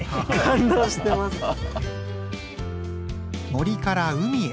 森から海へ。